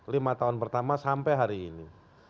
lima tahun pertama sampai hari ini